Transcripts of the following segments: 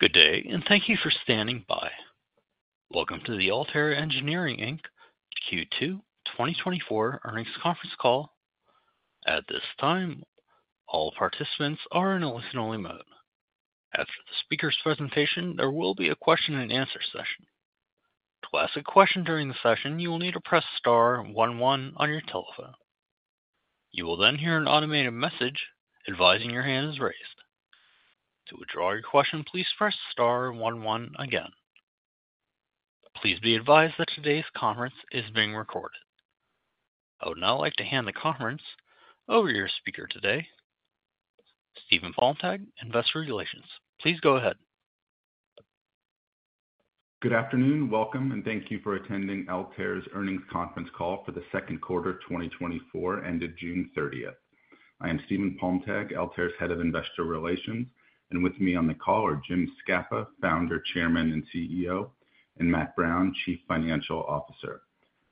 Good day, and thank you for standing by. Welcome to the Altair Engineering Inc. Q2 2024 earnings conference call. At this time, all participants are in a listen-only mode. After the speaker's presentation, there will be a question-and-answer session. To ask a question during the session, you will need to press star one one on your telephone. You will then hear an automated message advising your hand is raised. To withdraw your question, please press star one one again. Please be advised that today's conference is being recorded. I would now like to hand the conference over to your speaker today, Stephen Palmtag, Investor Relations. Please go ahead. Good afternoon. Welcome, and thank you for attending Altair's earnings conference call for the second quarter 2024, ended June 30th. I am Stephen Palmtag, Altair's Head of Investor Relations, and with me on the call are Jim Scapa, Founder, Chairman, and CEO, and Matt Brown, Chief Financial Officer.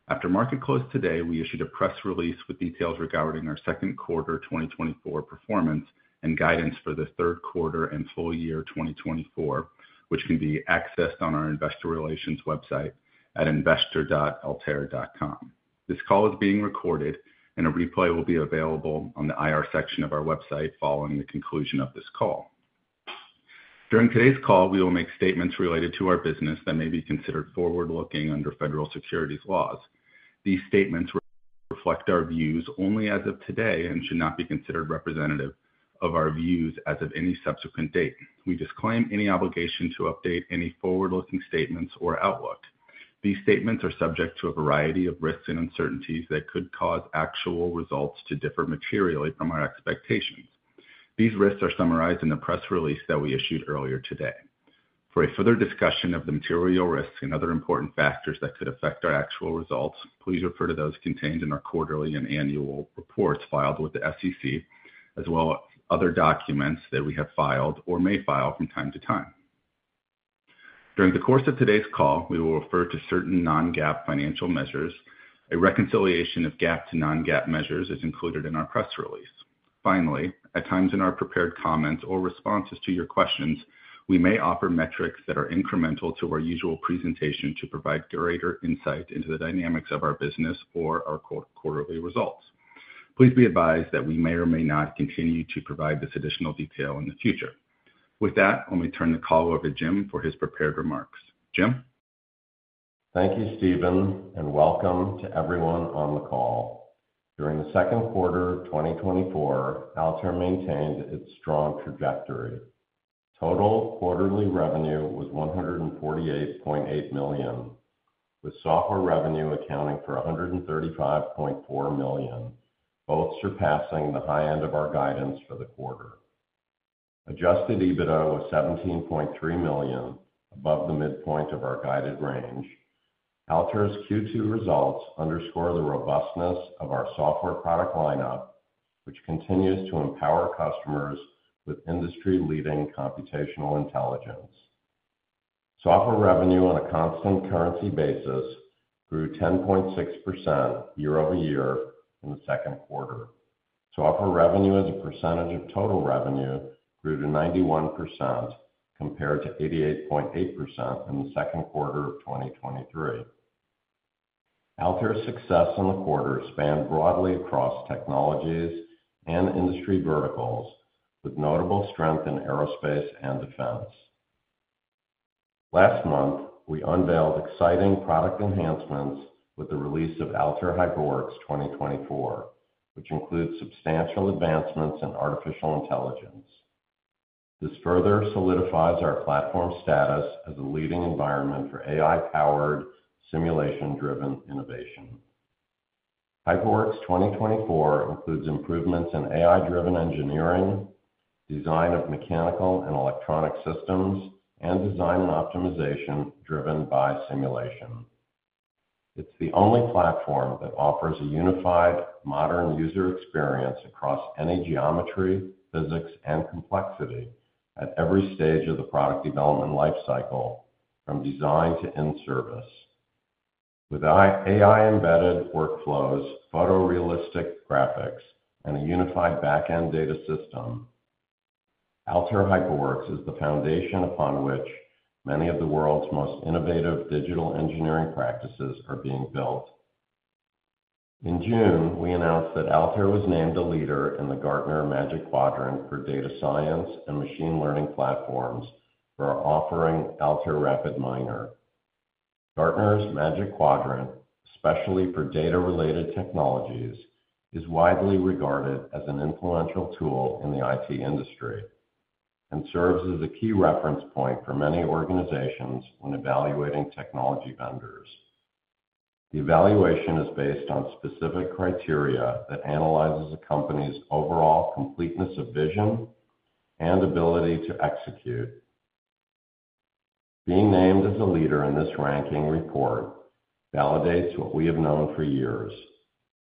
After market close today, we issued a press release with details regarding our second quarter 2024 performance and guidance for the third quarter and full year 2024, which can be accessed on our investor relations website at investor.altair.com. This call is being recorded, and a replay will be available on the IR section of our website following the conclusion of this call. During today's call, we will make statements related to our business that may be considered forward-looking under federal securities laws. These statements reflect our views only as of today and should not be considered representative of our views as of any subsequent date. We disclaim any obligation to update any forward-looking statements or outlook. These statements are subject to a variety of risks and uncertainties that could cause actual results to differ materially from our expectations. These risks are summarized in the press release that we issued earlier today. For a further discussion of the material risks and other important factors that could affect our actual results, please refer to those contained in our quarterly and annual reports filed with the SEC, as well as other documents that we have filed or may file from time to time. During the course of today's call, we will refer to certain non-GAAP financial measures. A reconciliation of GAAP to non-GAAP measures is included in our press release. Finally, at times in our prepared comments or responses to your questions, we may offer metrics that are incremental to our usual presentation to provide greater insight into the dynamics of our business or our quarterly results. Please be advised that we may or may not continue to provide this additional detail in the future. With that, I'll turn the call over to Jim for his prepared remarks. Jim? Thank you, Stephen, and welcome to everyone on the call. During the second quarter of 2024, Altair maintained its strong trajectory. Total quarterly revenue was $148.8 million, with software revenue accounting for $135.4 million, both surpassing the high end of our guidance for the quarter. Adjusted EBITDA was $17.3 million, above the midpoint of our guided range. Altair's Q2 results underscore the robustness of our software product lineup, which continues to empower customers with industry-leading computational intelligence. Software revenue on a constant currency basis grew 10.6% year-over-year in the second quarter. Software revenue as a percentage of total revenue grew to 91% compared to 88.8% in the second quarter of 2023. Altair's success in the quarter spanned broadly across technologies and industry verticals, with notable strength in aerospace and defense. Last month, we unveiled exciting product enhancements with the release of Altair HyperWorks 2024, which includes substantial advancements in artificial intelligence. This further solidifies our platform status as a leading environment for AI-powered, simulation-driven innovation. Higorx 2024 includes improvements in AI-driven engineering, design of mechanical and electronic systems, and design and optimization driven by simulation. It's the only platform that offers a unified, modern user experience across any geometry, physics, and complexity at every stage of the product development lifecycle, from design to in-service. With AI-embedded workflows, photorealistic graphics, and a unified backend data system, Altair HyperWorks is the foundation upon which many of the world's most innovative digital engineering practices are being built. In June, we announced that Altair was named a leader in the Gartner Magic Quadrant for data science and machine learning platforms for our offering Altair RapidMiner. Gartner's Magic Quadrant, especially for data-related technologies, is widely regarded as an influential tool in the IT industry and serves as a key reference point for many organizations when evaluating technology vendors. The evaluation is based on specific criteria that analyzes a company's overall completeness of vision and ability to execute. Being named as a leader in this ranking report validates what we have known for years.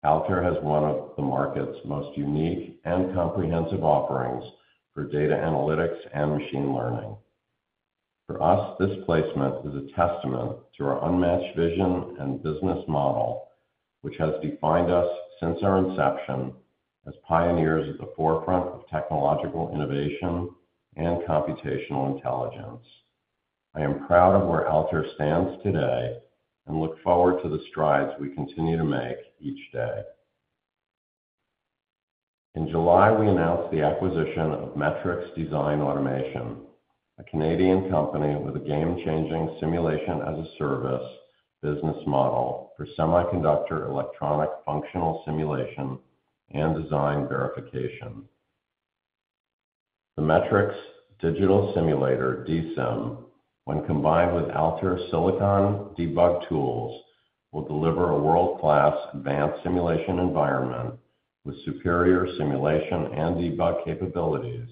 Altair has one of the market's most unique and comprehensive offerings for data analytics and machine learning. For us, this placement is a testament to our unmatched vision and business model, which has defined us since our inception as pioneers at the forefront of technological innovation and computational intelligence. I am proud of where Altair stands today and look forward to the strides we continue to make each day. In July, we announced the acquisition of Metrics Design Automation, a Canadian company with a game-changing simulation-as-a-service business model for semiconductor electronic functional simulation and design verification. The Metrics Digital Simulator, DSim, when combined with Altair Silicon Debug Tools, will deliver a world-class advanced simulation environment with superior simulation and debug capabilities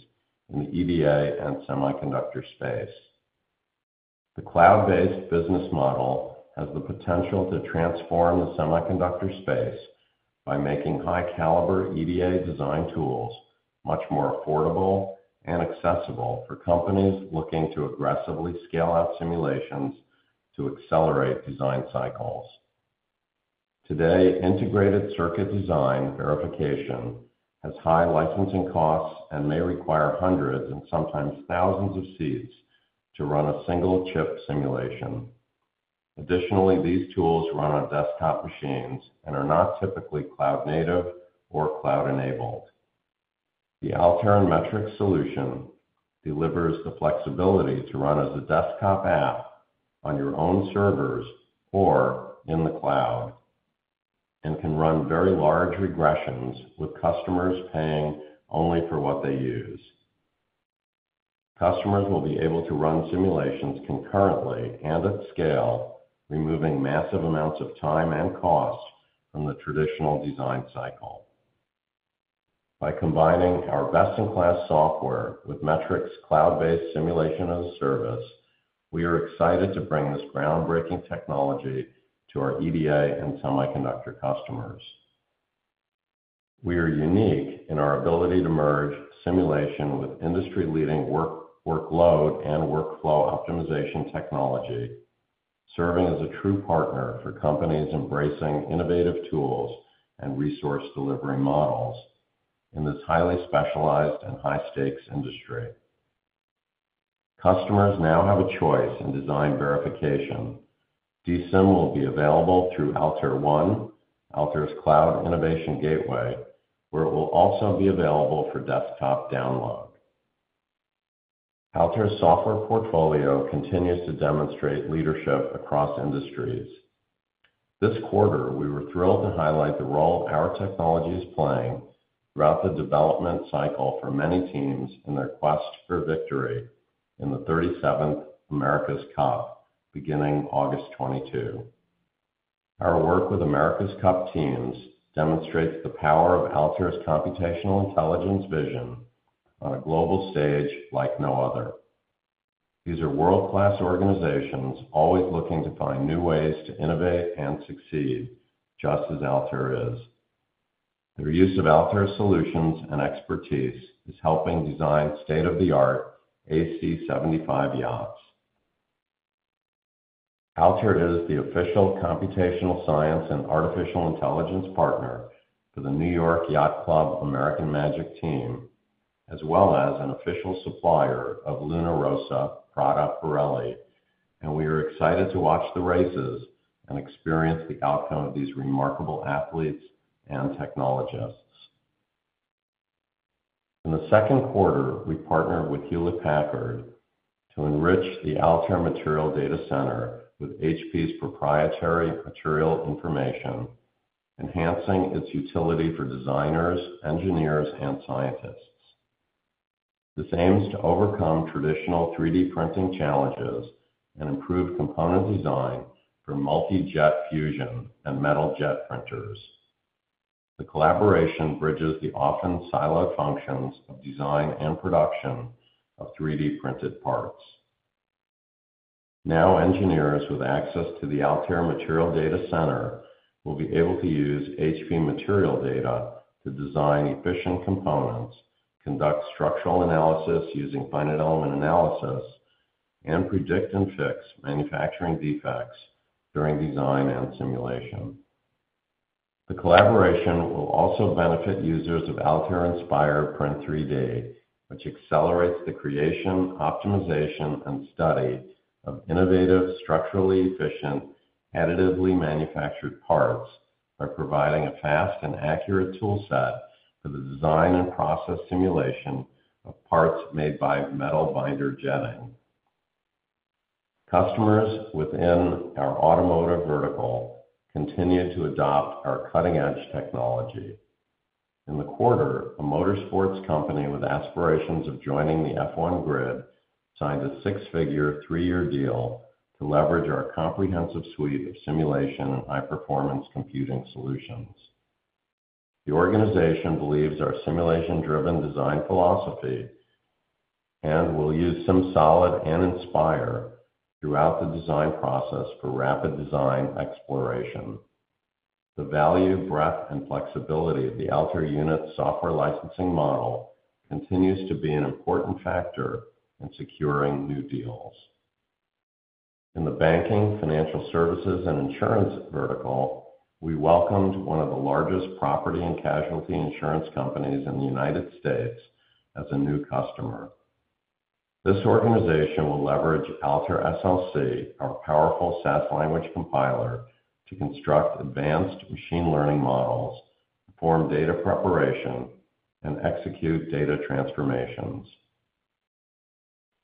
in the EDA and semiconductor space. The cloud-based business model has the potential to transform the semiconductor space by making high-caliber EDA design tools much more affordable and accessible for companies looking to aggressively scale out simulations to accelerate design cycles. Today, integrated circuit design verification has high licensing costs and may require hundreds and sometimes thousands of seats to run a single chip simulation. Additionally, these tools run on desktop machines and are not typically cloud-native or cloud-enabled. The Altair and Metrics solution delivers the flexibility to run as a desktop app on your own servers or in the cloud and can run very large regressions with customers paying only for what they use. Customers will be able to run simulations concurrently and at scale, removing massive amounts of time and cost from the traditional design cycle. By combining our best-in-class software with Metrics' cloud-based simulation-as-a-service, we are excited to bring this groundbreaking technology to our EDA and semiconductor customers. We are unique in our ability to merge simulation with industry-leading workload and workflow optimization technology, serving as a true partner for companies embracing innovative tools and resource delivery models in this highly specialized and high-stakes industry. Customers now have a choice in design verification. DSim will be available through Altair One, Altair's cloud innovation gateway, where it will also be available for desktop download. Altair's software portfolio continues to demonstrate leadership across industries. This quarter, we were thrilled to highlight the role our technology is playing throughout the development cycle for many teams in their quest for victory in the 37th America's Cup, beginning August 2022. Our work with America's Cup teams demonstrates the power of Altair's computational intelligence vision on a global stage like no other. These are world-class organizations always looking to find new ways to innovate and succeed, just as Altair is. Their use of Altair's solutions and expertise is helping design state-of-the-art AC75 yachts. Altair is the official computational science and artificial intelligence partner for the New York Yacht Club American Magic team, as well as an official supplier of Luna Rossa Prada Pirelli, and we are excited to watch the races and experience the outcome of these remarkable athletes and technologists. In the second quarter, we partnered with Hewlett Packard to enrich the Altair Material Data Center with HP's proprietary material information, enhancing its utility for designers, engineers, and scientists. This aims to overcome traditional 3D printing challenges and improve component design for Multi Jet Fusion and Metal Jet printers. The collaboration bridges the often siloed functions of design and production of 3D printed parts. Now, engineers with access to the Altair Material Data Center will be able to use HP material data to design efficient components, conduct structural analysis using finite element analysis, and predict and fix manufacturing defects during design and simulation. The collaboration will also benefit users of Altair Inspire Print 3D, which accelerates the creation, optimization, and study of innovative, structurally efficient, additively manufactured parts by providing a fast and accurate toolset for the design and process simulation of parts made by metal binder jetting. Customers within our automotive vertical continue to adopt our cutting-edge technology. In the quarter, a motorsports company with aspirations of joining the F1 grid signed a six-figure three-year deal to leverage our comprehensive suite of simulation and high-performance computing solutions. The organization believes our simulation-driven design philosophy and will use SimSolid and Inspire throughout the design process for rapid design exploration. The value, breadth, and flexibility of the Altair Units' software licensing model continues to be an important factor in securing new deals. In the banking, financial services, and insurance vertical, we welcomed one of the largest property and casualty insurance companies in the United States as a new customer. This organization will leverage Altair SLC, our powerful SAS language compiler, to construct advanced machine learning models, perform data preparation, and execute data transformations.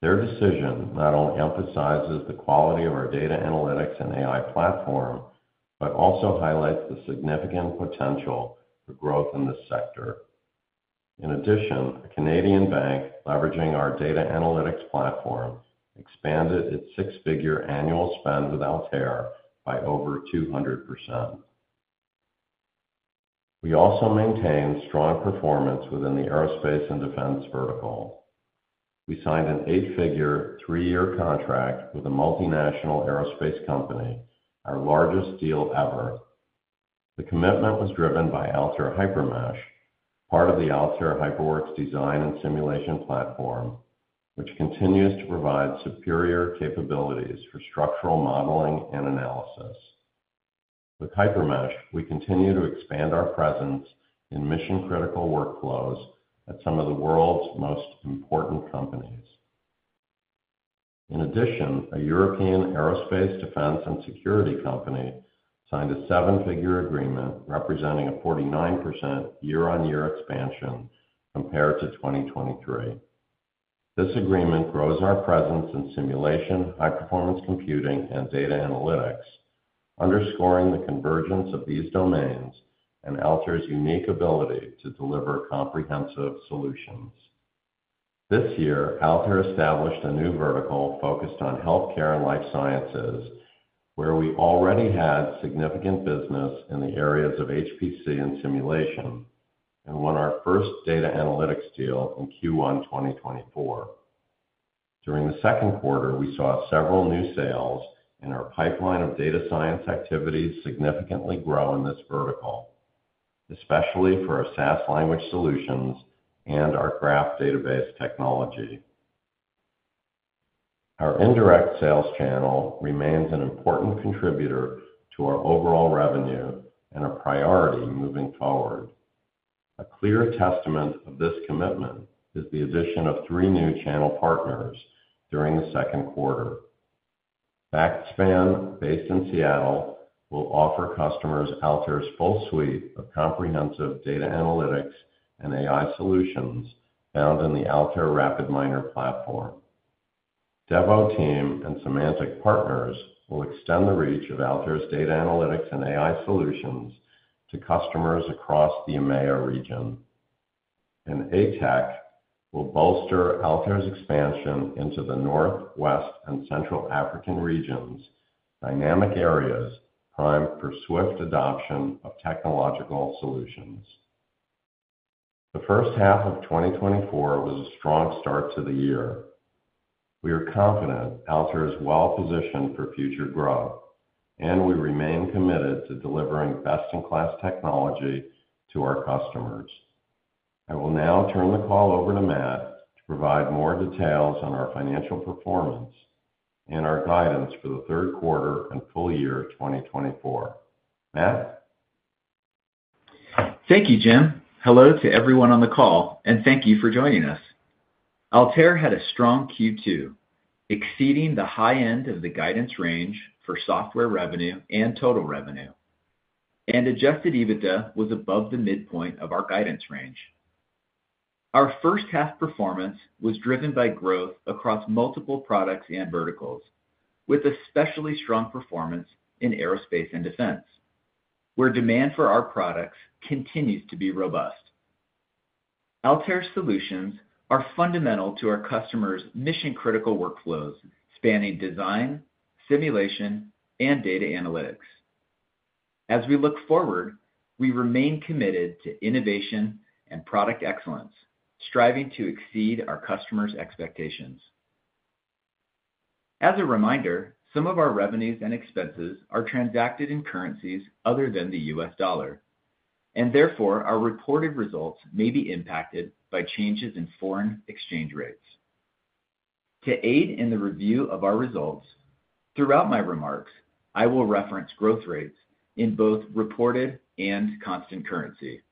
Their decision not only emphasizes the quality of our data analytics and AI platform, but also highlights the significant potential for growth in this sector. In addition, a Canadian bank leveraging our data analytics platform expanded its six-figure annual spend with Altair by over 200%. We also maintain strong performance within the aerospace and defense vertical. We signed an eight-figure three-year contract with a multinational aerospace company, our largest deal ever. The commitment was driven by Altair HyperMesh, part of the Altair HyperWorks design and simulation platform, which continues to provide superior capabilities for structural modeling and analysis. With HyperMesh, we continue to expand our presence in mission-critical workflows at some of the world's most important companies. In addition, a European aerospace defense and security company signed a seven-figure agreement representing a 49% year-over-year expansion compared to 2023. This agreement grows our presence in simulation, high-performance computing, and data analytics, underscoring the convergence of these domains and Altair's unique ability to deliver comprehensive solutions. This year, Altair established a new vertical focused on healthcare and life sciences, where we already had significant business in the areas of HPC and simulation and won our first data analytics deal in Q1 2024. During the second quarter, we saw several new sales and our pipeline of data science activities significantly grow in this vertical, especially for our SAS Language solutions and our Graph database technology. Our indirect sales channel remains an important contributor to our overall revenue and a priority moving forward. A clear testament of this commitment is the addition of three new channel partners during the second quarter. FactSpan, based in Seattle, will offer customers Altair's full suite of comprehensive data analytics and AI solutions found in the Altair RapidMiner platform. Devoteam and Semantic Partners will extend the reach of Altair's data analytics and AI solutions to customers across the EMEA region. Astec will bolster Altair's expansion into the North, West, and Central African regions, dynamic areas primed for swift adoption of technological solutions. The first half of 2024 was a strong start to the year. We are confident Altair is well-positioned for future growth, and we remain committed to delivering best-in-class technology to our customers. I will now turn the call over to Matt to provide more details on our financial performance and our guidance for the third quarter and full year 2024. Matt? Thank you, Jim. Hello to everyone on the call, and thank you for joining us. Altair had a strong Q2, exceeding the high end of the guidance range for software revenue and total revenue, and Adjusted EBITDA was above the midpoint of our guidance range. Our first-half performance was driven by growth across multiple products and verticals, with especially strong performance in aerospace and defense, where demand for our products continues to be robust. Altair's solutions are fundamental to our customers' mission-critical workflows spanning design, simulation, and data analytics. As we look forward, we remain committed to innovation and product excellence, striving to exceed our customers' expectations. As a reminder, some of our revenues and expenses are transacted in currencies other than the US dollar, and therefore our reported results may be impacted by changes in foreign exchange rates. To aid in the review of our results, throughout my remarks, I will reference growth rates in both reported and Constant Currency.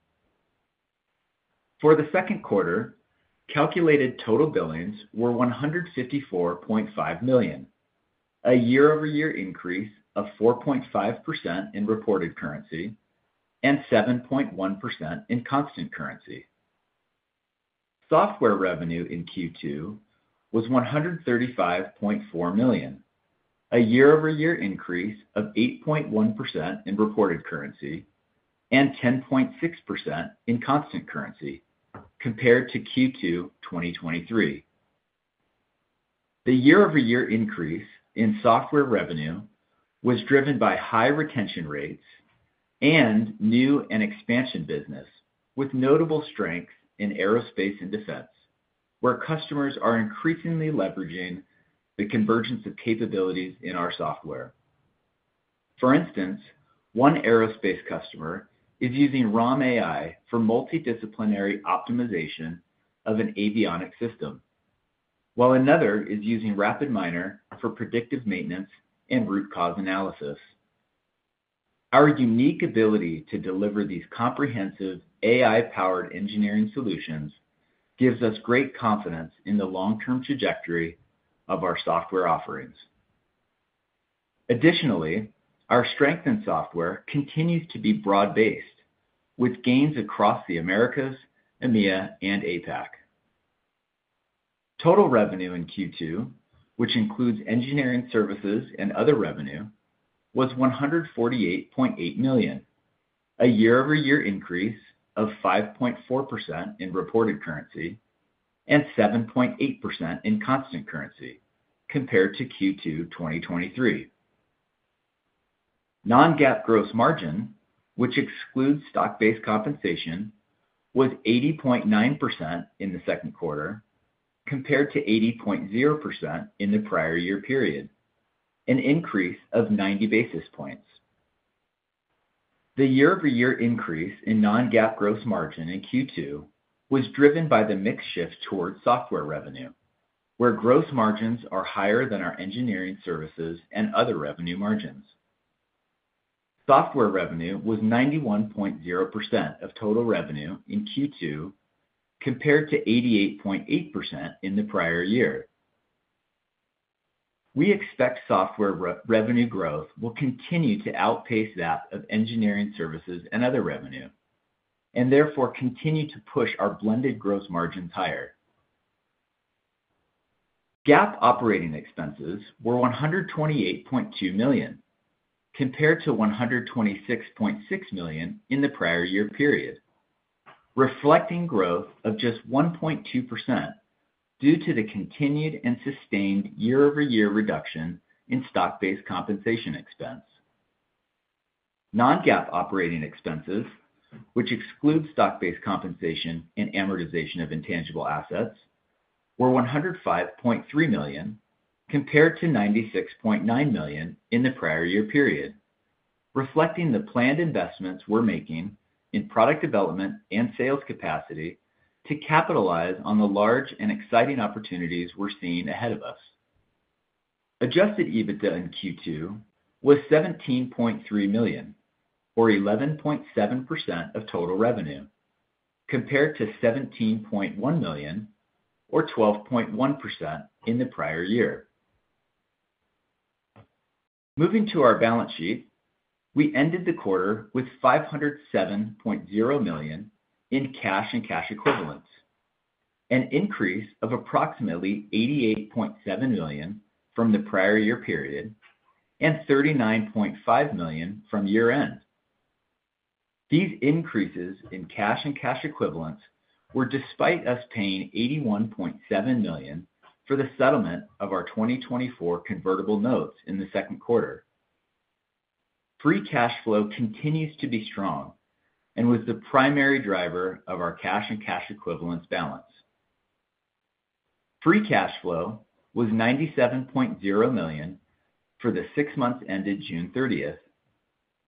For the second quarter, calculated total billings were $154.5 million, a year-over-year increase of 4.5% in reported currency and 7.1% in constant currency. Software revenue in Q2 was $135.4 million, a year-over-year increase of 8.1% in reported currency and 10.6% in constant currency compared to Q2 2023. The year-over-year increase in software revenue was driven by high retention rates and new and expansion business with notable strengths in aerospace and defense, where customers are increasingly leveraging the convergence of capabilities in our software. For instance, one aerospace customer is using ROM AI for multidisciplinary optimization of an avionic system, while another is using RapidMiner for predictive maintenance and root cause analysis. Our unique ability to deliver these comprehensive AI-powered engineering solutions gives us great confidence in the long-term trajectory of our software offerings. Additionally, our strengthened software continues to be broad-based, with gains across the Americas, EMEA, and APAC. Total revenue in Q2, which includes engineering services and other revenue, was $148.8 million, a year-over-year increase of 5.4% in reported currency and 7.8% in constant currency compared to Q2 2023. Non-GAAP gross margin, which excludes stock-based compensation, was 80.9% in the second quarter compared to 80.0% in the prior year period, an increase of 90 basis points. The year-over-year increase in non-GAAP gross margin in Q2 was driven by the mixed shift towards software revenue, where gross margins are higher than our engineering services and other revenue margins. Software revenue was 91.0% of total revenue in Q2 compared to 88.8% in the prior year. We expect software revenue growth will continue to outpace that of engineering services and other revenue, and therefore continue to push our blended gross margins higher. GAAP operating expenses were $128.2 million compared to $126.6 million in the prior year period, reflecting growth of just 1.2% due to the continued and sustained year-over-year reduction in stock-based compensation expense. Non-GAAP operating expenses, which excludes stock-based compensation and amortization of intangible assets, were $105.3 million compared to $96.9 million in the prior year period, reflecting the planned investments we're making in product development and sales capacity to capitalize on the large and exciting opportunities we're seeing ahead of us. Adjusted EBITDA in Q2 was $17.3 million, or 11.7% of total revenue, compared to $17.1 million, or 12.1% in the prior year. Moving to our balance sheet, we ended the quarter with $507.0 million in cash and cash equivalents, an increase of approximately $88.7 million from the prior year period and $39.5 million from year-end. These increases in cash and cash equivalents were despite us paying $81.7 million for the settlement of our 2024 convertible notes in the second quarter. Free cash flow continues to be strong and was the primary driver of our cash and cash equivalents balance. Free cash flow was $97.0 million for the six months ended June 30th,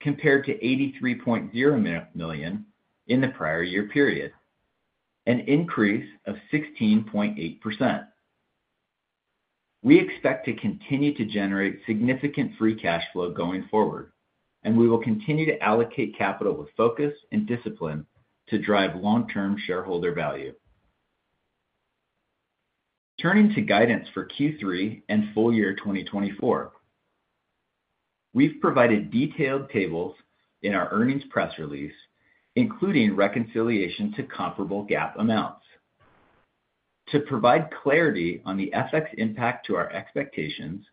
compared to $83.0 million in the prior year period, an increase of 16.8%. We expect to continue to generate significant free cash flow going forward, and we will continue to allocate capital with focus and discipline to drive long-term shareholder value. Turning to guidance for Q3 and full year 2024, we've provided detailed tables in our earnings press release, including reconciliation to comparable GAAP amounts. To provide clarity on the effect's impact to our expectations,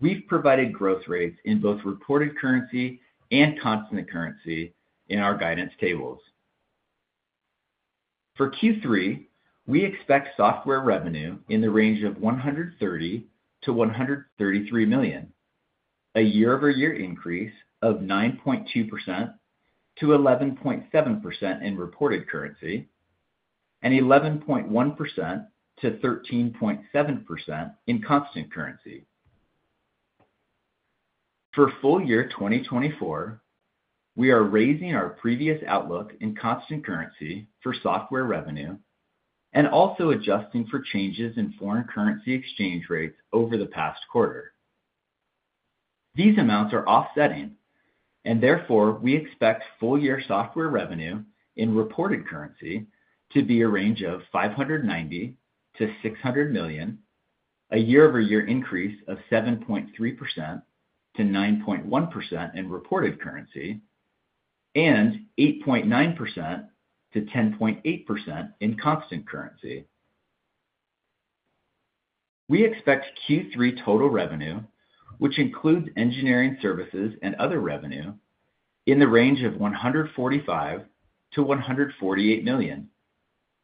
we've provided growth rates in both reported currency and Constant Currency in our guidance tables. For Q3, we expect software revenue in the range of $130 million-$133 million, a year-over-year increase of 9.2%-11.7% in reported currency, and 11.1%-13.7% in constant currency. For full year 2024, we are raising our previous outlook in constant currency for software revenue and also adjusting for changes in foreign currency exchange rates over the past quarter. These amounts are offsetting, and therefore we expect full year software revenue in reported currency to be a range of $590 million-$600 million, a year-over-year increase of 7.3%-9.1% in reported currency, and 8.9%-10.8% in constant currency. We expect Q3 total revenue, which includes engineering services and other revenue, in the range of $145 million-$148 million,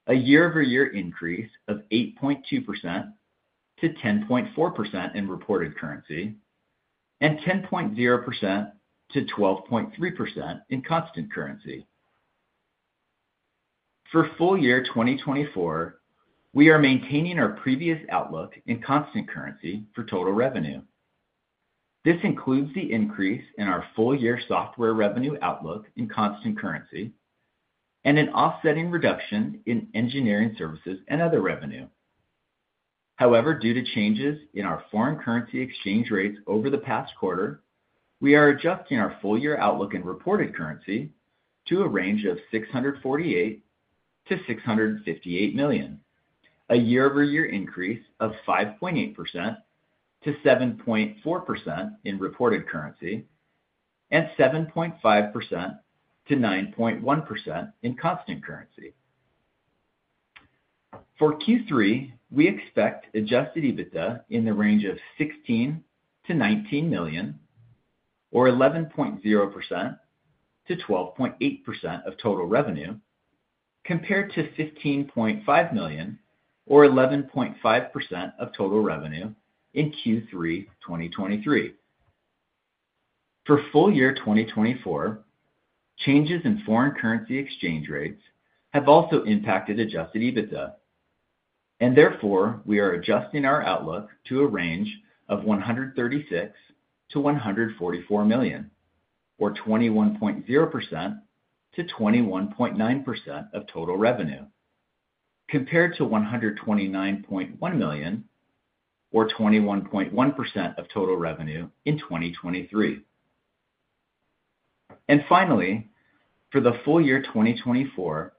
a year-over-year increase of 8.2%-10.4% in reported currency, and 10.0%-12.3% in constant currency. For full year 2024, we are maintaining our previous outlook in constant currency for total revenue. This includes the increase in our full year software revenue outlook in constant currency and an offsetting reduction in engineering services and other revenue. However, due to changes in our foreign currency exchange rates over the past quarter, we are adjusting our full year outlook in reported currency to a range of $648 million-$658 million, a year-over-year increase of 5.8%-7.4% in reported currency, and 7.5%-9.1% in constant currency. For Q3, we expect Adjusted EBITDA in the range of $16 million-$19 million, or 11.0%-12.8% of total revenue, compared to $15.5 million or 11.5% of total revenue in Q3 2023. For full year 2024, changes in foreign currency exchange rates have also impacted Adjusted EBITDA, and therefore we are adjusting our outlook to a range of $136 million-$144 million, or 21.0%-21.9% of total revenue, compared to $129.1 million or 21.1% of total revenue in 2023. Finally, for the full year 2024,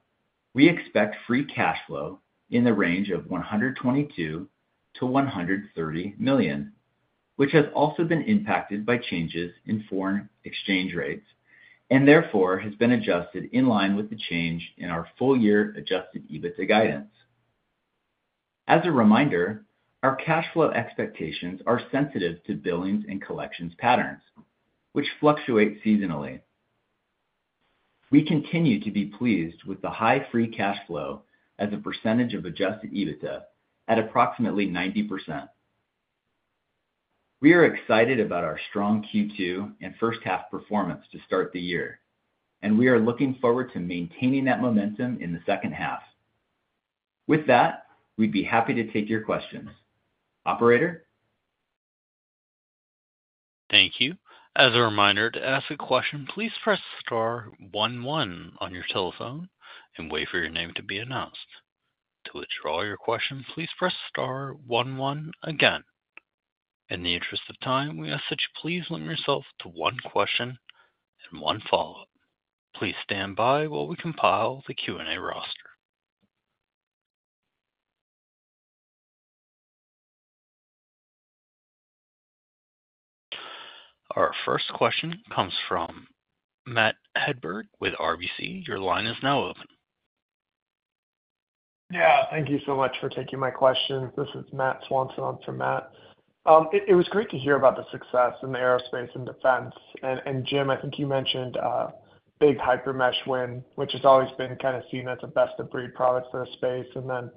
we expect free cash flow in the range of $122 million-$130 million, which has also been impacted by changes in foreign exchange rates and therefore has been adjusted in line with the change in our full year Adjusted EBITDA guidance. As a reminder, our cash flow expectations are sensitive to billings and collections patterns, which fluctuate seasonally. We continue to be pleased with the high free cash flow as a percentage of Adjusted EBITDA at approximately 90%. We are excited about our strong Q2 and first-half performance to start the year, and we are looking forward to maintaining that momentum in the second half. With that, we'd be happy to take your questions. Operator? Thank you. As a reminder to ask a question, please press star one one on your telephone and wait for your name to be announced. To withdraw your question, please press star one one again. In the interest of time, we ask that you please limit yourself to one question and one follow-up. Please stand by while we compile the Q&A roster. Our first question comes from Matt Hedberg with RBC. Your line is now open. Yeah, thank you so much for taking my questions. This is Matt Swanson. I'm from Matt. It was great to hear about the success in the aerospace and defense. And Jim, I think you mentioned a big HyperMesh win, which has always been kind of seen as the best of breed products for the space. And then,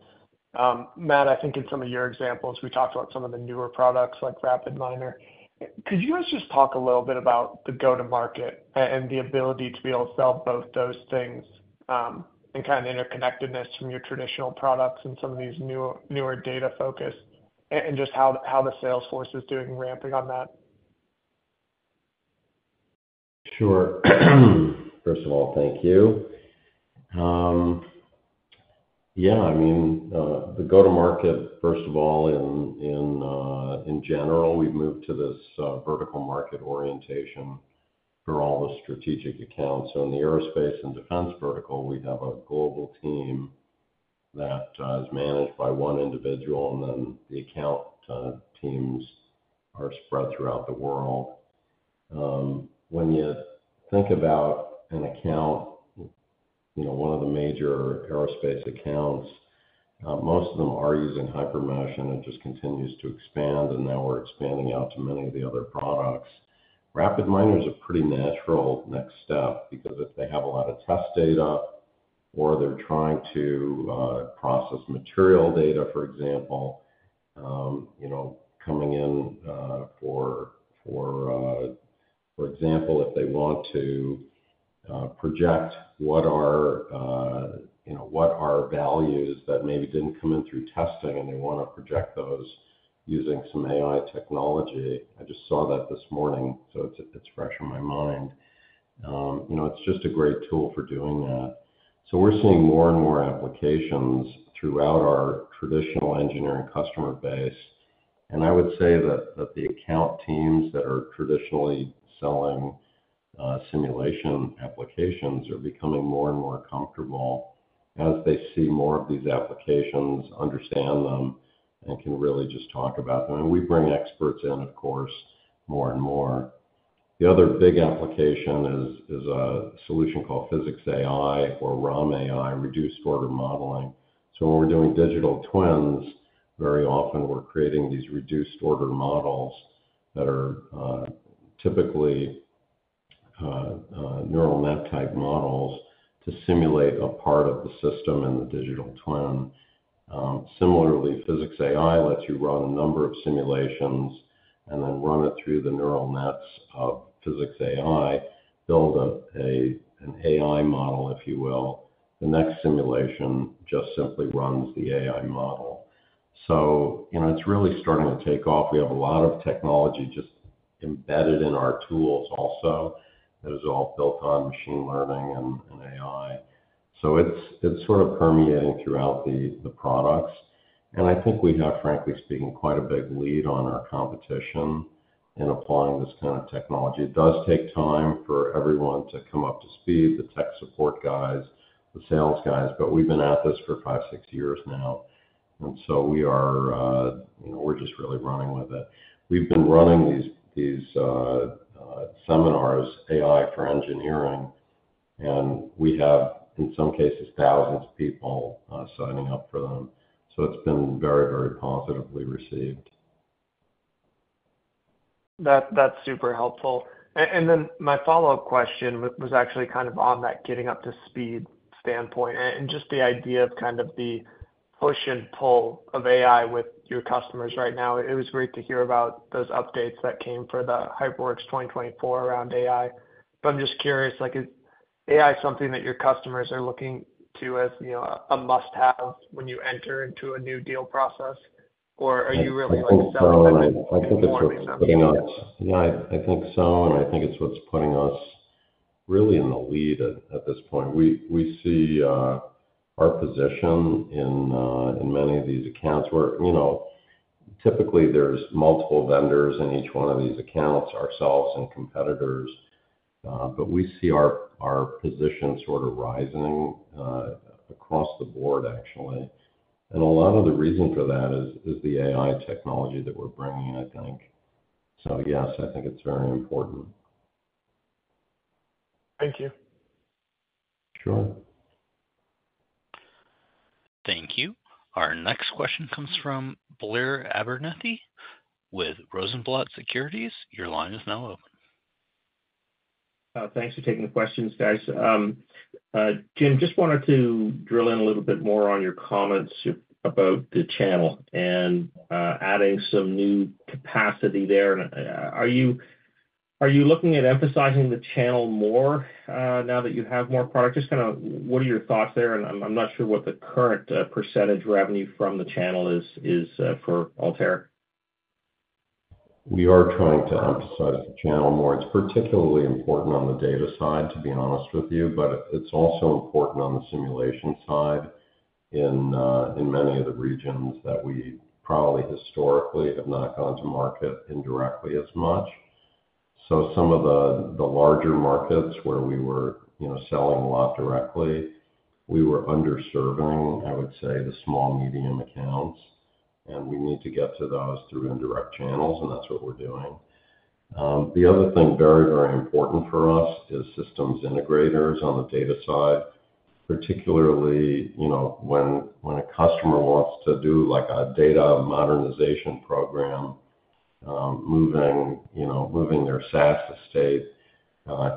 Matt, I think in some of your examples, we talked about some of the newer products like RapidMiner. Could you guys just talk a little bit about the go-to-market and the ability to be able to sell both those things and kind of interconnectedness from your traditional products and some of these newer data-focused and just how the sales force is doing ramping on that? Sure. First of all, thank you. Yeah, I mean, the go-to-market, first of all, in general, we've moved to this vertical market orientation for all the strategic accounts. So in the aerospace and defense vertical, we have a global team that is managed by one individual, and then the account teams are spread throughout the world. When you think about an account, one of the major aerospace accounts, most of them are using HyperMesh and it just continues to expand. Now we're expanding out to many of the other products. RapidMiner is a pretty natural next step because if they have a lot of test data or they're trying to process material data, for example, coming in for example, if they want to project what are values that maybe didn't come in through testing and they want to project those using some AI technology. I just saw that this morning, so it's fresh in my mind. It's just a great tool for doing that. We're seeing more and more applications throughout our traditional engineering customer base. I would say that the account teams that are traditionally selling simulation applications are becoming more and more comfortable as they see more of these applications, understand them, and can really just talk about them. We bring experts in, of course, more and more. The other big application is a solution called Physics AI or ROM AI, reduced order modeling. So when we're doing digital twins, very often we're creating these reduced order models that are typically neural net type models to simulate a part of the system in the digital twin. Similarly, Physics AI lets you run a number of simulations and then run it through the neural nets of Physics AI, build an AI model, if you will. The next simulation just simply runs the AI model. So it's really starting to take off. We have a lot of technology just embedded in our tools also that is all built on machine learning and AI. So it's sort of permeating throughout the products. And I think we have, frankly speaking, quite a big lead on our competition in applying this kind of technology. It does take time for everyone to come up to speed, the tech support guys, the sales guys, but we've been at this for five, six years now. And so we're just really running with it. We've been running these seminars, AI for engineering, and we have, in some cases, thousands of people signing up for them. So it's been very, very positively received. That's super helpful. And then my follow-up question was actually kind of on that getting up to speed standpoint and just the idea of kind of the push and pull of AI with your customers right now. It was great to hear about those updates that came for the HyperWorks 2024 around AI. But I'm just curious, is AI something that your customers are looking to as a must-have when you enter into a new deal process, or are you really selling them? I think it's what's putting us. Yeah, I think so. And I think it's what's putting us really in the lead at this point. We see our position in many of these accounts where typically there's multiple vendors in each one of these accounts, ourselves and competitors. But we see our position sort of rising across the board, actually. And a lot of the reason for that is the AI technology that we're bringing, I think. So yes, I think it's very important. Thank you. Sure. Thank you. Our next question comes from Blair Abernethy with Rosenblatt Securities. Your line is now open. Thanks for taking the questions, guys. Jim, just wanted to drill in a little bit more on your comments about the channel and adding some new capacity there. Are you looking at emphasizing the channel more now that you have more product? Just kind of what are your thoughts there? And I'm not sure what the current percentage revenue from the channel is for Altair. We are trying to emphasize the channel more. It's particularly important on the data side, to be honest with you, but it's also important on the simulation side in many of the regions that we probably historically have not gone to market indirectly as much. So some of the larger markets where we were selling a lot directly, we were underserving, I would say, the small, medium accounts. And we need to get to those through indirect channels, and that's what we're doing. The other thing very, very important for us is systems integrators on the data side, particularly when a customer wants to do a data modernization program, moving their SAS estate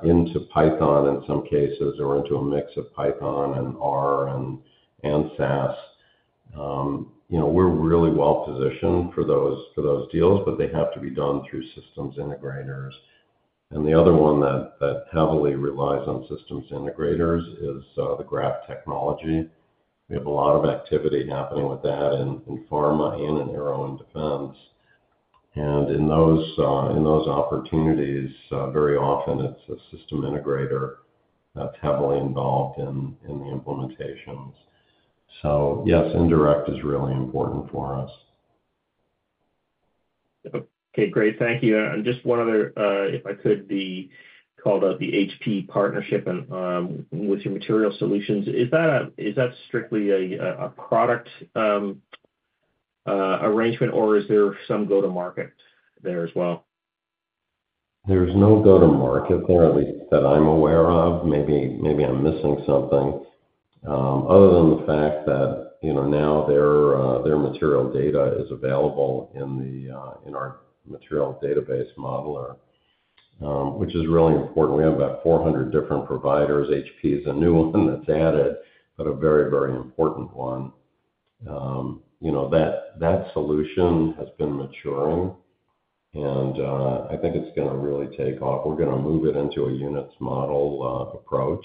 into Python in some cases or into a mix of Python and R and SAS. We're really well positioned for those deals, but they have to be done through systems integrators. And the other one that heavily relies on systems integrators is the graph technology. We have a lot of activity happening with that in pharma and in aero and defense. And in those opportunities, very often it's a system integrator that's heavily involved in the implementations. So yes, indirect is really important for us. Okay, great. Thank you. And just one other, if I could, the called out the HP partnership with your material solutions. Is that strictly a product arrangement, or is there some go-to-market there as well? There's no go-to-market there, at least that I'm aware of. Maybe I'm missing something. Other than the fact that now their material data is available in our material database modeler, which is really important. We have about 400 different providers. HP is a new one that's added, but a very, very important one. That solution has been maturing, and I think it's going to really take off. We're going to move it into a units model approach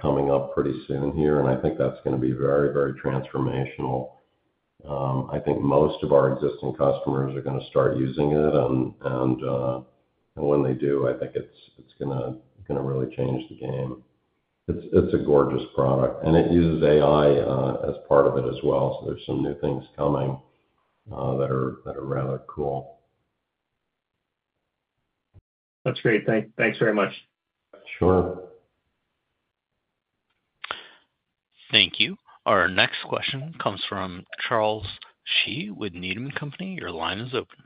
coming up pretty soon here. And I think that's going to be very, very transformational. I think most of our existing customers are going to start using it. And when they do, I think it's going to really change the game. It's a gorgeous product. And it uses AI as part of it as well. So there's some new things coming that are rather cool. That's great. Thanks very much. Sure. Thank you. Our next question comes from Charles Shi with Needham & Company. Your line is open.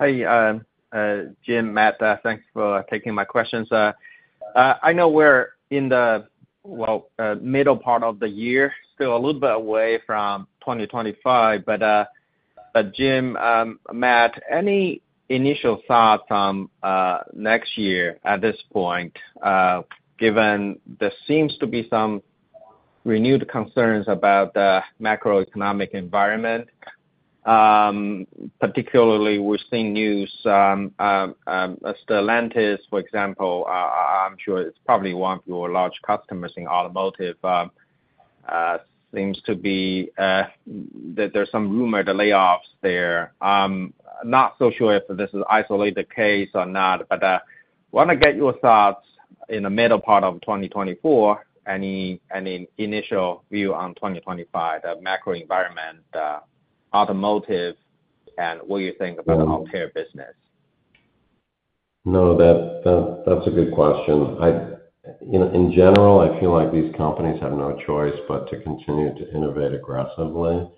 Hi, Jim, Matt. Thanks for taking my questions. I know we're in the, well, middle part of the year, still a little bit away from 2025. But Jim, Matt, any initial thoughts on next year at this point, given there seems to be some renewed concerns about the macroeconomic environment, particularly we're seeing news as Stellantis, for example, I'm sure it's probably one of your large customers in automotive, seems to be that there's some rumored layoffs there. Not so sure if this is an isolated case or not, but I want to get your thoughts in the middle part of 2024, any initial view on 2025, the macro environment, automotive, and what do you think about the Altair business? No, that's a good question. In general, I feel like these companies have no choice but to continue to innovate aggressively.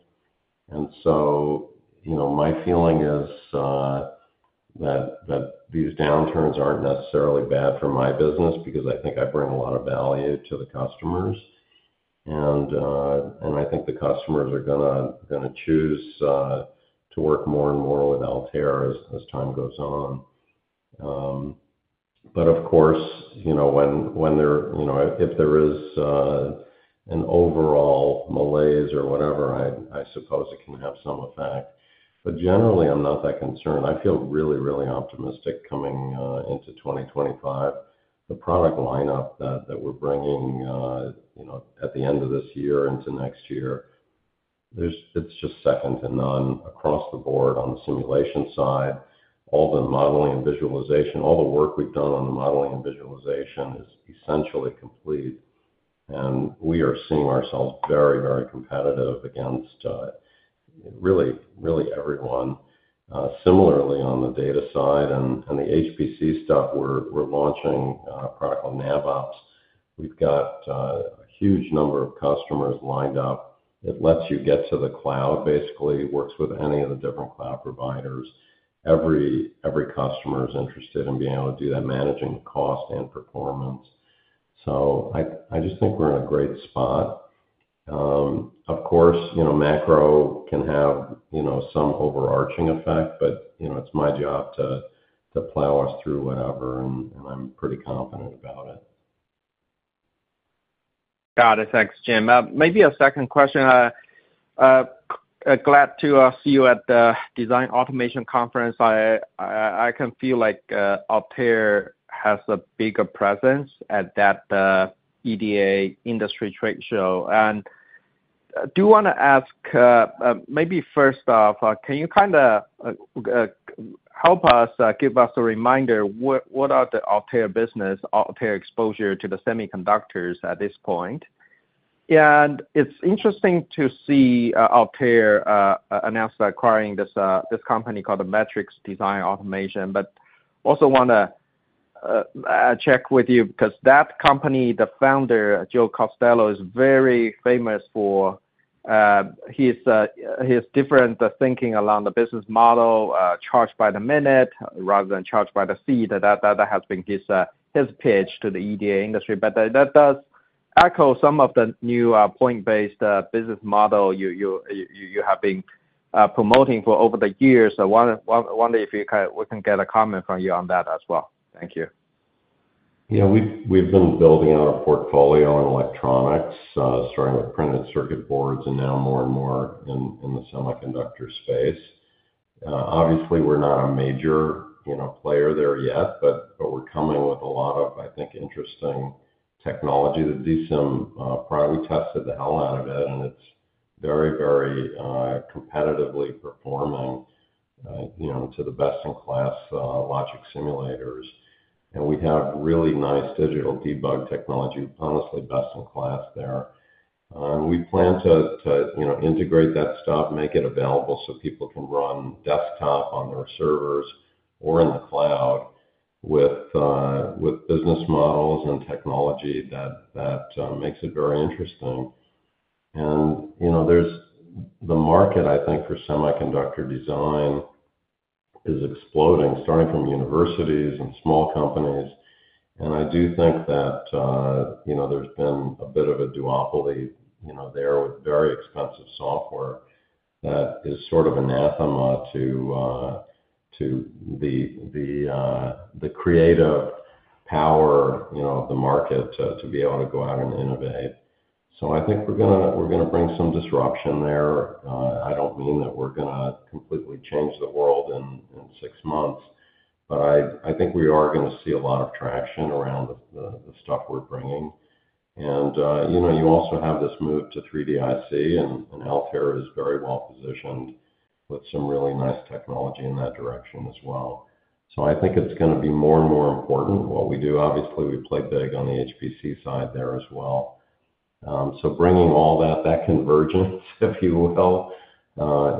So my feeling is that these downturns aren't necessarily bad for my business because I think I bring a lot of value to the customers. And I think the customers are going to choose to work more and more with Altair as time goes on. But of course, when there is an overall malaise or whatever, I suppose it can have some effect. But generally, I'm not that concerned. I feel really, really optimistic coming into 2025. The product lineup that we're bringing at the end of this year into next year, it's just second to none across the board on the simulation side. All the modeling and visualization, all the work we've done on the modeling and visualization is essentially complete. We are seeing ourselves very, very competitive against really everyone. Similarly, on the data side and the HPC stuff, we're launching a product called NavOps. We've got a huge number of customers lined up. It lets you get to the cloud, basically, works with any of the different cloud providers. Every customer is interested in being able to do that, managing cost and performance. So I just think we're in a great spot. Of course, macro can have some overarching effect, but it's my job to plow us through whatever, and I'm pretty confident about it. Got it. Thanks, Jim. Maybe a second question. Glad to see you at the Design Automation Conference. I feel like Altair has a bigger presence at that EDA industry trade show. Do you want to ask, maybe first off, can you kind of help us, give us a reminder, what are the Altair business, Altair exposure to the semiconductors at this point? It's interesting to see Altair announce acquiring this company called Metrics Design Automation. But also want to check with you because that company, the founder, Joe Costello, is very famous for his different thinking around the business model, charged by the minute rather than charged by the seat. That has been his pitch to the EDA industry. But that does echo some of the new point-based business model you have been promoting for over the years. I wonder if we can get a comment from you on that as well. Thank you. Yeah, we've been building out our portfolio in electronics, starting with printed circuit boards and now more and more in the semiconductor space. Obviously, we're not a major player there yet, but we're coming with a lot of, I think, interesting technology. The DSim product, we tested the hell out of it, and it's very, very competitively performing to the best in class logic simulators. And we have really nice digital debug technology, honestly best in class there. And we plan to integrate that stuff, make it available so people can run desktop on their servers or in the cloud with business models and technology that makes it very interesting. And the market, I think, for semiconductor design is exploding, starting from universities and small companies. And I do think that there's been a bit of a duopoly there with very expensive software that is sort of anathema to the creative power of the market to be able to go out and innovate. So I think we're going to bring some disruption there. I don't mean that we're going to completely change the world in six months, but I think we are going to see a lot of traction around the stuff we're bringing. And you also have this move to 3D-IC, and Altair is very well positioned with some really nice technology in that direction as well. So I think it's going to be more and more important what we do. Obviously, we play big on the HPC side there as well. So bringing all that convergence, if you will,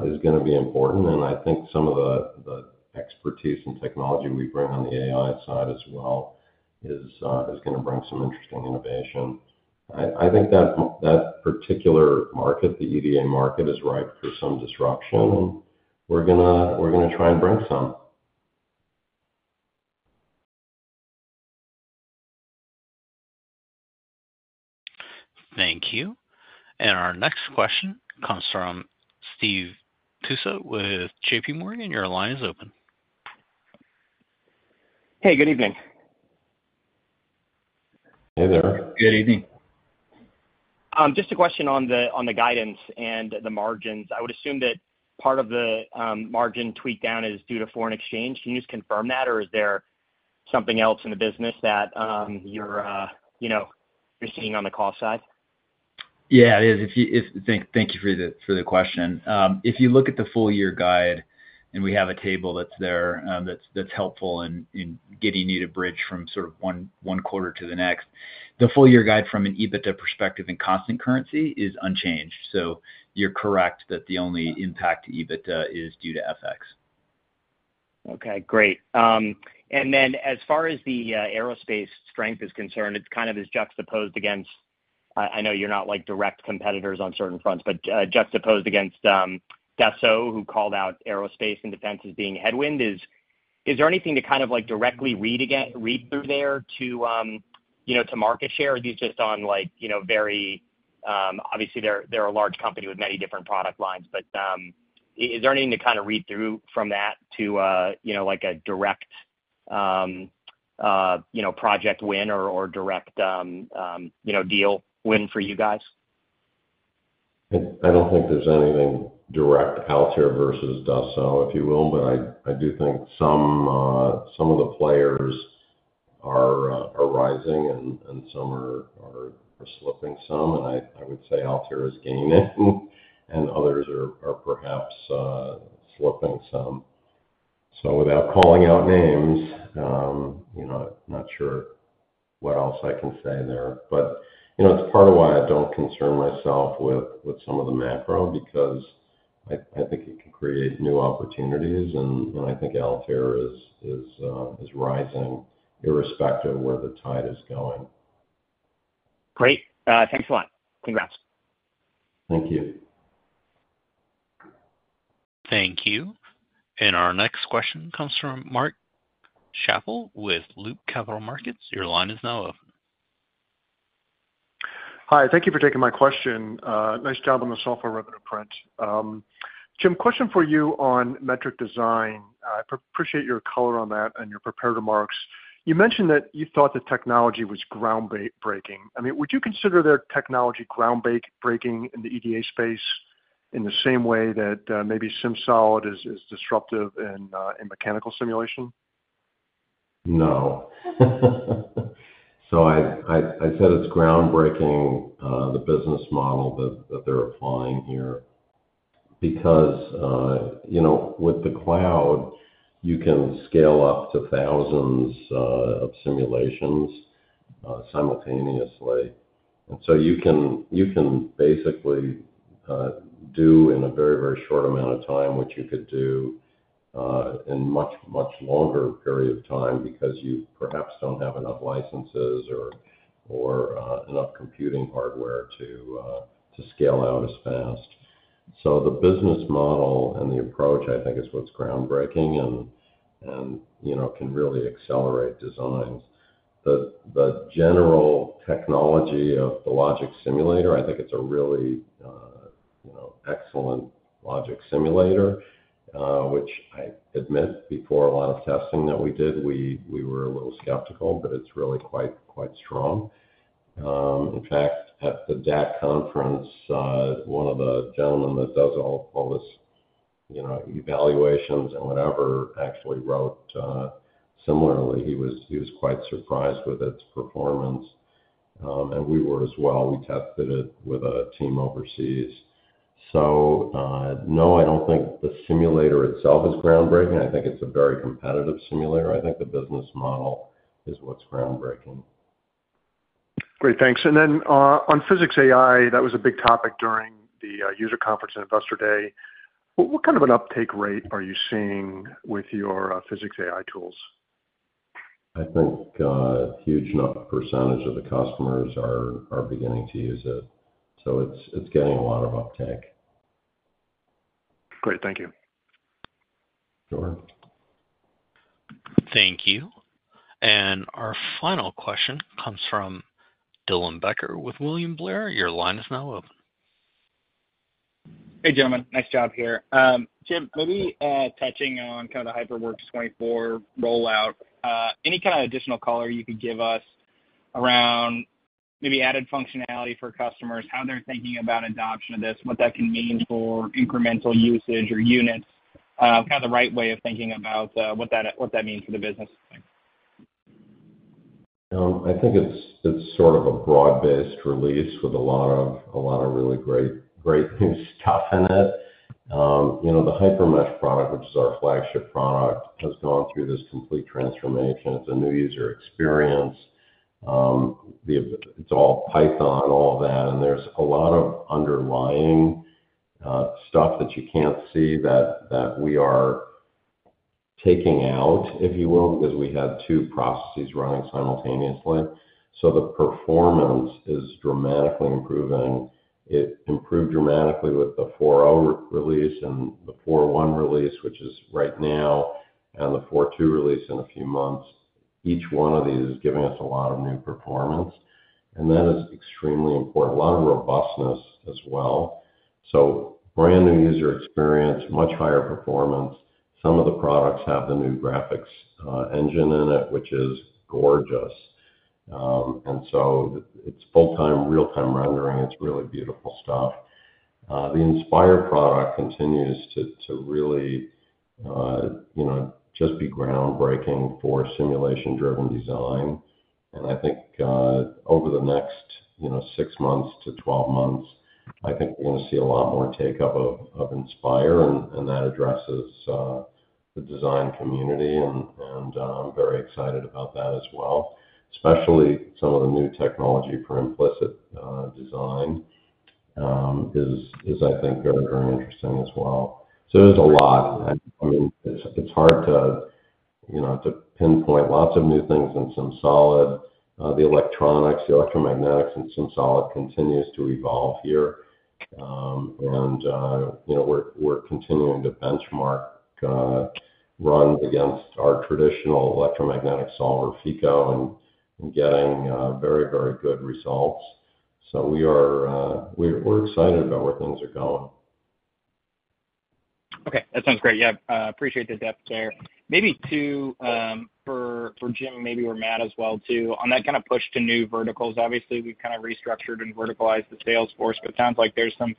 is going to be important. And I think some of the expertise and technology we bring on the AI side as well is going to bring some interesting innovation. I think that particular market, the EDA market, is ripe for some disruption, and we're going to try and bring some. Thank you. And our next question comes from Steve Tusa with JPMorgan. Your line is open. Hey, good evening. Hey there. Good evening. Just a question on the guidance and the margins. I would assume that part of the margin tweak down is due to foreign exchange. Can you just confirm that, or is there something else in the business that you're seeing on the cost side? Yeah, it is. Thank you for the question. If you look at the full year guide, and we have a table that's there that's helpful in getting you to bridge from sort of one quarter to the next, the full year guide from an EBITDA perspective in constant currency is unchanged. So you're correct that the only impact to EBITDA is due to FX. Okay, great. And then, as far as the aerospace strength is concerned, it kind of is juxtaposed against, I know you're not direct competitors on certain fronts, but juxtaposed against Dassault, who called out aerospace and defense as being headwind. Is there anything to kind of directly read through there to market share? Are these just on very obviously, they're a large company with many different product lines, but is there anything to kind of read through from that to a direct project win or direct deal win for you guys? I don't think there's anything direct Altair versus Dassault, if you will, but I do think some of the players are rising and some are slipping some. And I would say Altair is gaining, and others are perhaps slipping some. So without calling out names, I'm not sure what else I can say there. But it's part of why I don't concern myself with some of the macro because I think it can create new opportunities, and I think Altair is rising irrespective of where the tide is going. Great. Thanks a lot. Congrats. Thank you. Thank you. And our next question comes from Mark Chappell with Loop Capital Markets. Your line is now open. Hi. Thank you for taking my question. Nice job on the software revenue print. Jim, question for you on Metrics Design. I appreciate your color on that and your prepared remarks. You mentioned that you thought the technology was groundbreaking. I mean, would you consider their technology groundbreaking in the EDA space in the same way that maybe SimSolid is disruptive in mechanical simulation? No. So I said it's groundbreaking the business model that they're applying here because with the cloud, you can scale up to thousands of simulations simultaneously. And so you can basically do in a very, very short amount of time what you could do in a much, much longer period of time because you perhaps don't have enough licenses or enough computing hardware to scale out as fast. So the business model and the approach, I think, is what's groundbreaking and can really accelerate designs. The general technology of the logic simulator, I think it's a really excellent logic simulator, which I admit before a lot of testing that we did, we were a little skeptical, but it's really quite strong. In fact, at the DAC conference, one of the gentlemen that does all this evaluations and whatever actually wrote similarly. He was quite surprised with its performance. We were as well. We tested it with a team overseas. So no, I don't think the simulator itself is groundbreaking. I think it's a very competitive simulator. I think the business model is what's groundbreaking. Great. Thanks. And then on Physics AI, that was a big topic during the user conference and investor day. What kind of an uptake rate are you seeing with your Physics AI tools? I think a huge percentage of the customers are beginning to use it. So it's getting a lot of uptake. Great. Thank you. Sure. Thank you. And our final question comes from Dylan Becker with William Blair. Your line is now open. Hey, gentlemen. Nice job here. Jim, maybe touching on kind of the HyperWorks 24 rollout, any kind of additional color you can give us around maybe added functionality for customers, how they're thinking about adoption of this, what that can mean for incremental usage or units, kind of the right way of thinking about what that means for the business? I think it's sort of a broad-based release with a lot of really great new stuff in it. The HyperMesh product, which is our flagship product, has gone through this complete transformation. It's a new user experience. It's all Python, all of that. And there's a lot of underlying stuff that you can't see that we are taking out, if you will, because we had two processes running simultaneously. So the performance is dramatically improving. It improved dramatically with the 4.0 release and the 4.1 release, which is right now, and the 4.2 release in a few months. Each one of these is giving us a lot of new performance. That is extremely important. A lot of robustness as well. So brand new user experience, much higher performance. Some of the products have the new graphics engine in it, which is gorgeous. So it's full-time, real-time rendering. It's really beautiful stuff. The Inspire product continues to really just be groundbreaking for simulation-driven design. I think over the next six months to 12 months, I think we're going to see a lot more take-up of Inspire. That addresses the design community. I'm very excited about that as well, especially some of the new technology for implicit design is, I think, very, very interesting as well. There's a lot. I mean, it's hard to pinpoint lots of new things in SimSolid. The electronics, the electromagnetics in SimSolid continues to evolve here. And we're continuing to benchmark runs against our traditional electromagnetic solver, Feko, and getting very, very good results. So we're excited about where things are going. Okay. That sounds great. Yeah. Appreciate the depth there. Maybe too, for Jim, maybe Matt as well too, on that kind of push to new verticals. Obviously, we've kind of restructured and verticalized the sales force, but it sounds like there's some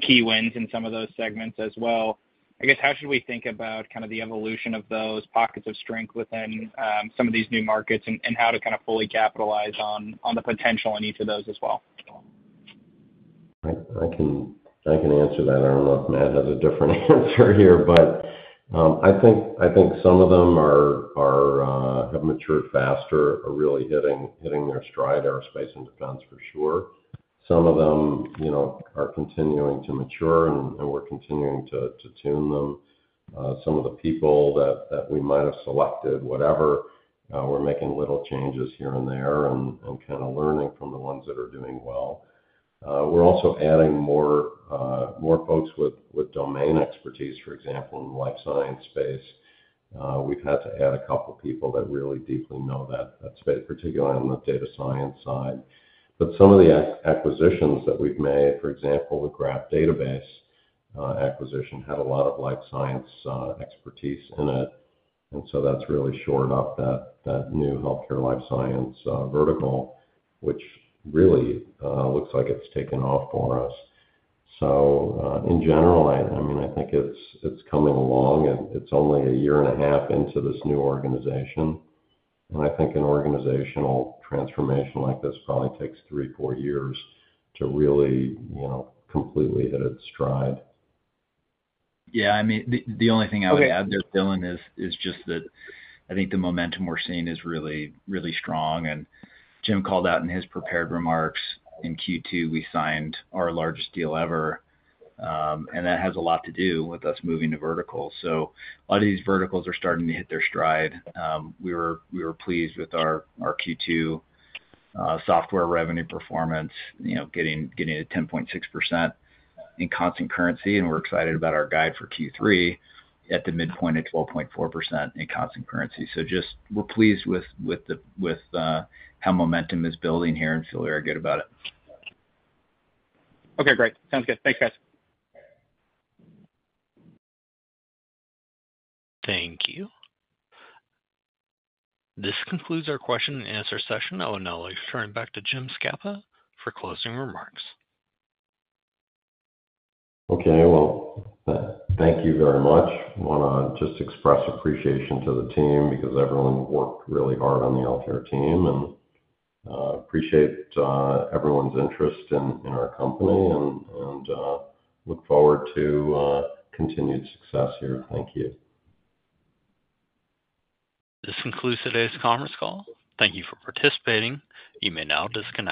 key wins in some of those segments as well. I guess, how should we think about kind of the evolution of those pockets of strength within some of these new markets and how to kind of fully capitalize on the potential in each of those as well? I can answer that. I don't know if Matt has a different answer here, but I think some of them have matured faster, are really hitting their stride, aerospace and defense for sure. Some of them are continuing to mature, and we're continuing to tune them. Some of the people that we might have selected, whatever, we're making little changes here and there and kind of learning from the ones that are doing well. We're also adding more folks with domain expertise, for example, in the life science space. We've had to add a couple of people that really deeply know that space, particularly on the data science side. But some of the acquisitions that we've made, for example, the Graph Database acquisition had a lot of life science expertise in it. And so that's really shored up that new healthcare life science vertical, which really looks like it's taken off for us. So in general, I mean, I think it's coming along. It's only 1.5 years into this new organization. And I think an organizational transformation like this probably takes three to four years to really completely hit its stride. Yeah. I mean, the only thing I would add there, Dylan, is just that I think the momentum we're seeing is really, really strong. And Jim called out in his prepared remarks, "In Q2, we signed our largest deal ever." And that has a lot to do with us moving to verticals. So a lot of these verticals are starting to hit their stride. We were pleased with our Q2 software revenue performance, getting a 10.6% in constant currency. And we're excited about our guide for Q3 at the midpoint at 12.4% in constant currency. Just we're pleased with how momentum is building here and feel very good about it. Okay. Great. Sounds good. Thanks, guys. Thank you. This concludes our question-and-answer session. I will now turn it back to Jim Scapa for closing remarks. Okay. Well, thank you very much. I want to just express appreciation to the team because everyone worked really hard on the Altair team. Appreciate everyone's interest in our company and look forward to continued success here. Thank you. This concludes today's conference call. Thank you for participating. You may now disconnect.